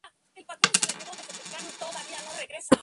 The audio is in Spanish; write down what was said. En esta poesía hay encanto, gracia y cierta picardía de buen gusto.